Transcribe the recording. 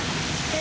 え？